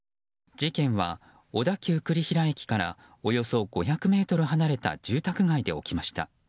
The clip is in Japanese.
事件は小田急栗平駅からおよそ５００ｍ離れた住宅街で起きました。